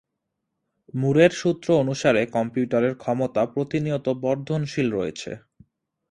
মুরের সূত্র অনুসারে, কম্পিউটারের ক্ষমতা প্রতিনিয়ত বর্ধনশীল রয়েছে।